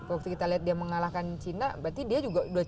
waktu kita lihat dia mengalahkan china berarti dia juga menang juga ya